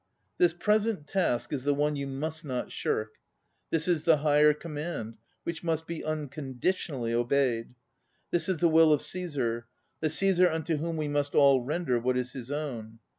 This present task is the one you must not shirk. This is the higher command, which must be uncondi tionally obeyed. This is the will of Caesar, ŌĆö the Csesar unto whom we must all render what is his own.